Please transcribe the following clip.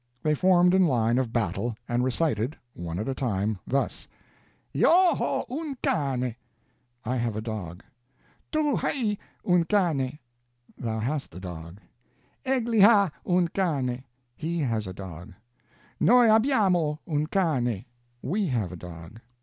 They formed in line of battle, and recited, one at a time, thus: "Io ho un cane, I have a dog." "Tu hai un cane, thou hast a dog." _"Egli ha un cane, _he has a dog." "Noi abbiamo un cane, we have a dog."